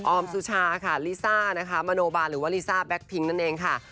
อมสุชาค่ะลิซ่านะคะมโนบาหรือว่าลิซ่าแก๊กพิงนั่นเองค่ะ